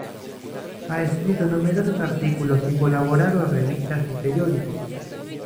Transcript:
Ha escrito numerosos artículos y colaborado en revistas y periódicos.